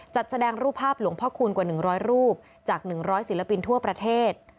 จัดแสดงรูปภาพหลวงพ่อคูณกว่า๑๐๐รูปจาก๑๐๐ศิลปินทั่วประเทศ